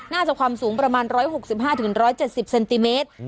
ความสูงประมาณ๑๖๕๑๗๐เซนติเมตร